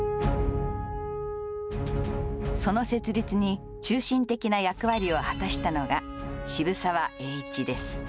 その設立に中心的な役割を果たしたのが渋沢栄一です。